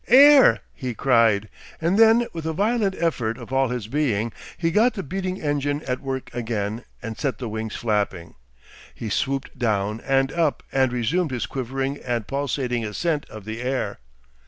"'Ere!" he cried; and then with a violent effort of all his being he got the beating engine at work again and set the wings flapping. He swooped down and up and resumed his quivering and pulsating ascent of the air.